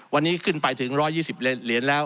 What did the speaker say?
วันนี้ขึ้นไปถึง๑๒๐เหรียญแล้ว